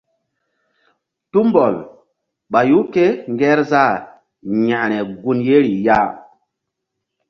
Tumbɔl ɓayu kéngerzah yȩkre gun yeri ya.